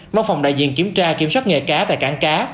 mong phòng đại diện kiểm tra kiểm soát nghề cá tại cảng cá